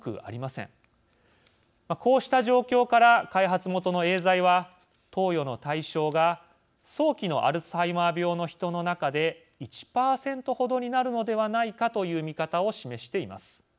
こうした状況から開発元のエーザイは投与の対象が早期のアルツハイマー病の人の中で１％ほどになるのではないかという見方を示しています。